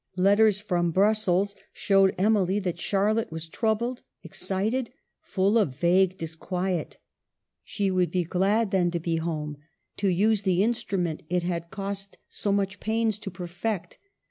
Letters from Brus sels showed Emily that Charlotte was troubled, excited, full of vague disquiet. She would be glad, then, to be home, to use the instrument it had cost so much pains to perfect.